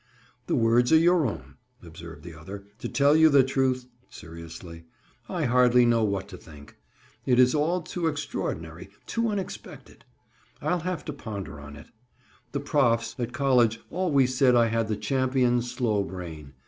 "The words are your own," observed the other. "To tell you the truth," seriously, "I hardly know what to think. It is all too extraordinary—too unexpected. I'll have to ponder on it. The profs, at college always said I had the champion slow brain.